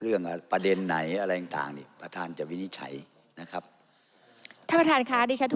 เรื่องประเด็นไหนอะไรต่างรีบเราทานจะวินิสัยนะครับอำนาจน